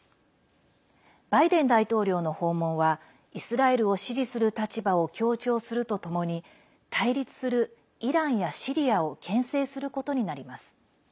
バイデン大統領の訪問はイスラエルを支持する立場を強調するとともに対立するイランやシリアをけん制することになります。